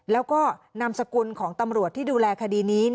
แล้วก็นามสกุลของตำรวจที่ดูแลคดีนี้